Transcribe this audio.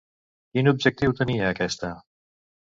Quin objectiu tenia aquesta?